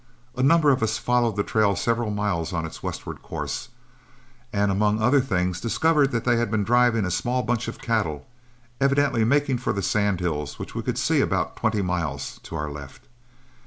A number of us followed the trail several miles on its westward course, and among other things discovered that they had been driving a small bunch of cattle, evidently making for the sand hills which we could see about twenty miles to our left.